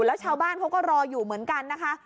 แล้วชาวบ้านเขาก็รออยู่เหมือนกันนะคะ